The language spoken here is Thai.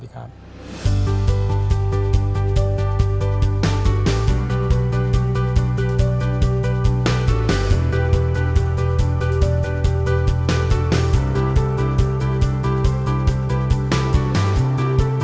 ครับสวัสดีครับ